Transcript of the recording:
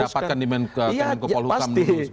dapatkan di mengeksekusi